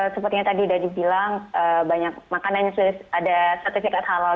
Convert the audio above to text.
sepertinya tadi sudah dibilang banyak makanan yang sudah ada sertifikat halal